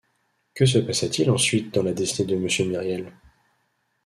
Que se passa-t-il ensuite dans la destinée de Monsieur Myriel?